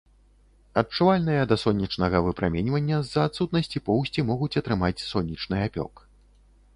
Адчувальныя да сонечнага выпраменьвання, з-за адсутнасці поўсці могуць атрымаць сонечны апёк.